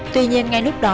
tuy nhiên ngay lúc đó